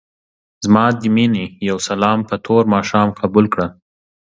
ځما دې مينې يو سلام په تور ماښام قبول کړه.